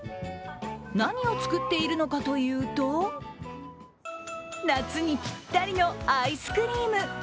何を作っているのかというと夏にぴったりのアイスクリーム。